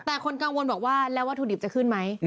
แต่คนกังวลบอกว่าแล้ววัตถุดิบจะขึ้นไหม